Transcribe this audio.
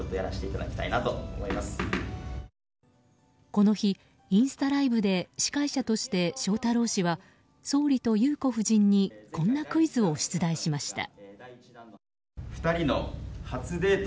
この日インスタライブで司会者として翔太郎氏は総理と裕子夫人にこんなクイズを出題しました。